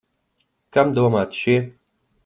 Kam domāti šie?